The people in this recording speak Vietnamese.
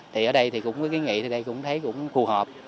thì ở đây cũng thấy cũng phù hợp